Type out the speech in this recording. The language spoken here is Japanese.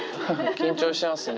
緊張してますね。